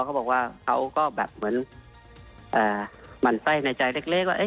เขาบอกว่าเขาก็แบบเหมือนหมั่นไส้ในใจเล็กว่า